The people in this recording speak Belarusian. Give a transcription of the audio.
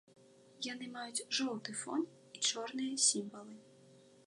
Яны маюць жоўты фон і чорныя сімвалы.